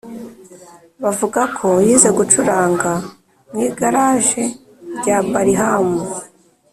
bavuga ko yize gucuranga mu igaraje rya balham